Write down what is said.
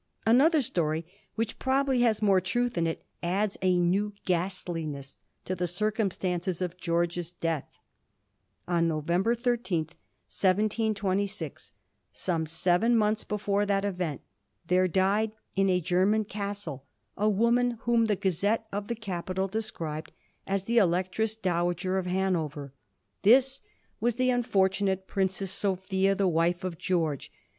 Another story, which pro bably has more truth in it, adds a new ghastliness to the circumstances of George's death. On Novem ber 13, 1726, some seven months before that event, there died in a German castle a woman whom the gazette of the capital described as the Electress Dowager of Hanover. This was the unfortunate Princess Sophia, the wife of George.